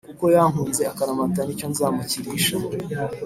Kuko yankunze akaramata nicyo nzamukirisha